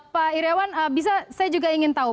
pak iryawan bisa saya juga ingin tahu